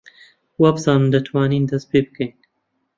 وابزانم دەتوانین دەست پێ بکەین.